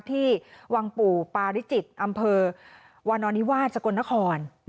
ที่วังปู่ปาริจิตอำเภอวานอนิวาสสกลนคร